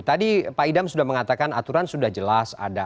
tadi pak idam sudah mengatakan aturan sudah jelas ada